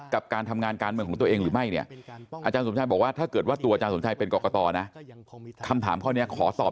กับการทำงานการเหมือนของตัวเองหรือไม่